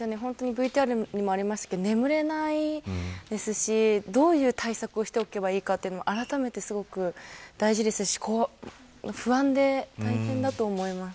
ＶＴＲにもありましたけど眠れないですしどういう対策をしておけばいいかあらためてすごく大事ですし不安で大変だと思います。